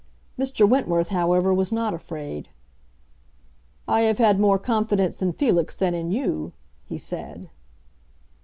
Mr. Wentworth, however, was not afraid. "I have had more confidence in Felix than in you," he said.